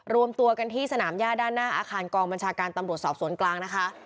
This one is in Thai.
รวมตัวกันที่สนามย่าด้านหน้าอาคารกองบัญชาการตำรวจสอบสวนกลางนะคะ